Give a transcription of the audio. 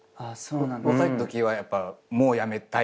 若いときはやっぱもう辞めたいとか。